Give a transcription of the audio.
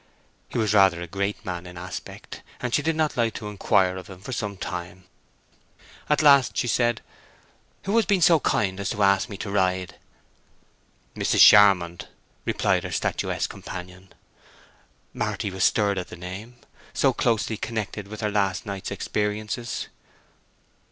He was rather a great man in aspect, and she did not like to inquire of him for some time. At last she said, "Who has been so kind as to ask me to ride?" "Mrs. Charmond," replied her statuesque companion. Marty was stirred at the name, so closely connected with her last night's experiences.